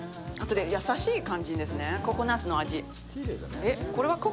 優しい感じですね、ココナッツの味。